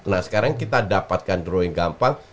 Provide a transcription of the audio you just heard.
nah sekarang kita dapatkan drawing gampang